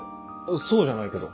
そうじゃないけど。